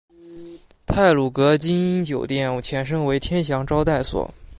太鲁阁晶英酒店前身为天祥招待所。